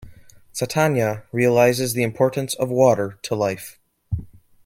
Satanaya realizes the importance of water to life.